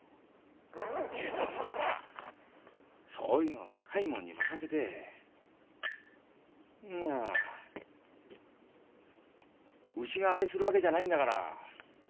けどそういうのは若いもんに任せてそんな牛がアレするわけじゃないんだから。